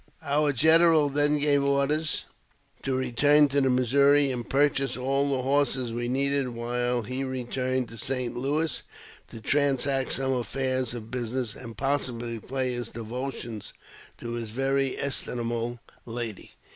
Our general then gave orders to return to the Missouri and purchase all the horses v^e needed, v^hile he returned to St. Louis to transact some affairs of business, and possible pay his devotions to his very estimable lady.